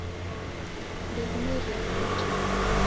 Ndedimerie kuja